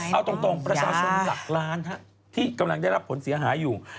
เอาตรงประชาชนหลักล้านที่กำลังได้รับผลเสียหายอยู่